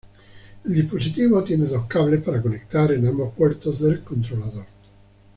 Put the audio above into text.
El dispositivo tiene dos cables para conectar en ambos puertos del controlador.